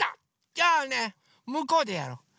じゃあねむこうでやろう！